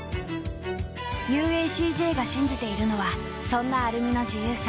ＵＡＣＪ が信じているのはそんなアルミの自由さ。